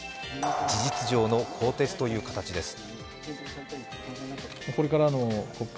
事実上の更迭という形です。